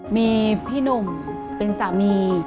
มีพี่หนุ่มเป็นสามี